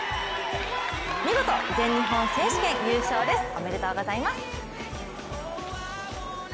見事、全日本選手権優勝ですおめでとうございます。